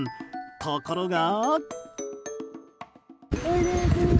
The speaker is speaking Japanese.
ところが。